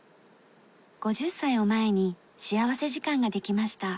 ５０歳を前に幸福時間ができました。